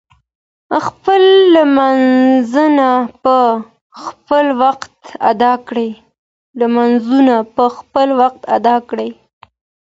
خپل لمونځونه په خپل وخت ادا کړئ.